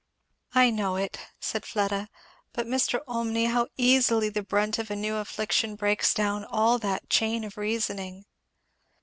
'" "I know it," said Fleda; "but, Mr. Olmney, how easily the brunt of a new affliction breaks down all that chain of reasoning!"